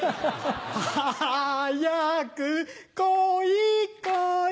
はやくこいこい